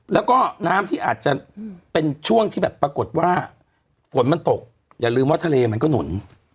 แล้วก็น้ำที่อาจจะเป็นช่วงที่แบบปรากฏว่าฝนมันตกอย่าลืมว่าทะเลมันก็หนุน